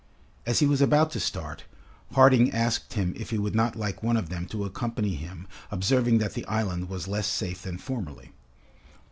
As he was about to start, Harding asked him if he would not like one of them to accompany him, observing that the island was less safe than formerly.